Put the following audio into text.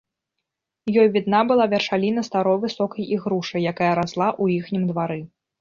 Ёй відна была вяршаліна старой высокай ігрушы, якая расла ў іхнім двары.